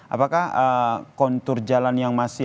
apakah kontur jalan yang masih